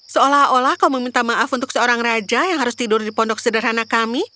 seolah olah kau meminta maaf untuk seorang raja yang harus tidur di pondok sederhana kami